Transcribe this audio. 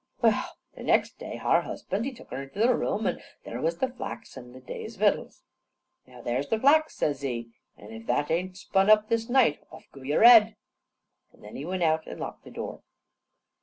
Well, the next day, har husband, he took her inter the room, an' there was the flax an' the day's vittles. "Now, there's the flax," says he, "an' if that ain't spun up this night, off goo yar hid." An' then he went out an' locked the door.